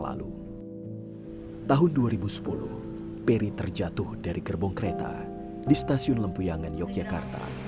lalu tahun dua ribu sepuluh peri terjatuh dari gerbong kereta di stasiun lempuyangan yogyakarta